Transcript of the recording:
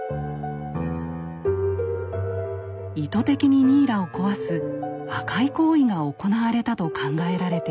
意図的にミイラを壊す破壊行為が行われたと考えられています。